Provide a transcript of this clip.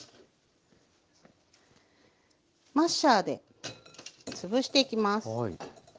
マッシャーでつぶしていきます。